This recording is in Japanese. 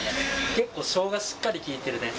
結構、しょうが、しっかり効いてるね。